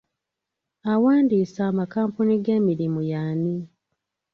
Awandiisa amakampuni g'emirimu y'ani?